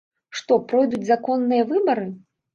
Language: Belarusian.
Што пройдуць законныя выбары?